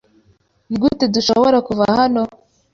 Nigute dushobora kuva hano?